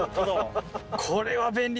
これは便利。